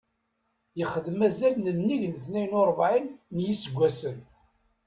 Yexdem azal n nnig n tnayen u rebɛin n yiseggasen.